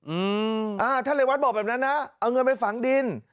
อืมอ่าท่านเรวัตรบอกแบบนั้นนะเอาเงินไปฝังดิน